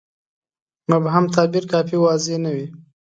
مبهم تعبیر کافي واضحه نه وي.